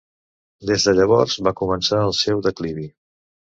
Des de llavors va començar el seu declivi.